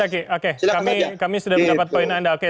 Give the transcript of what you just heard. oke mas ahy kami sudah mendapat poin anda